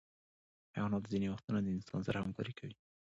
حیوانات ځینې وختونه د انسان سره همکاري کوي.